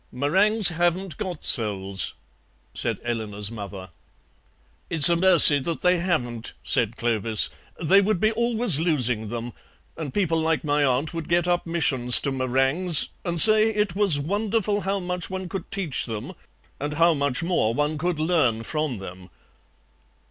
"Meringues haven't got souls," said Eleanor's mother. "It's a mercy that they haven't," said Clovis; "they would be always losing them, and people like my aunt would get up missions to meringues, and say it was wonderful how much one could teach them and how much more one could learn from them."